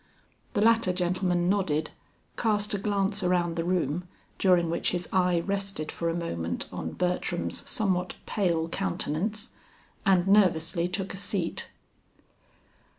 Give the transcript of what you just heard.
The latter gentleman nodded, cast a glance around the room, during which his eye rested for a moment on Bertram's somewhat pale countenance, and nervously took a seat.